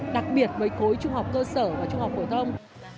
đặc biệt với cối trung học cơ sở và trung học của thông